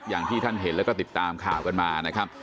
อย่างที่ท่านเห็นแล้วก็ติดตามข่าวกันมานะครับ